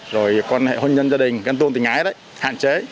rồi quan hệ hôn nhân gia đình tình ái hạn chế